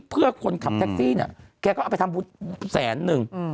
เพื่อคนขับแท็กซี่เนี่ยแกก็เอาไปทำบุญแสนนึง